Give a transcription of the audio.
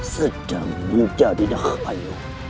sedang menjadi dahayu